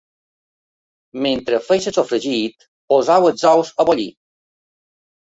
Mentre feu el sofregit, poseu els ous a bullir.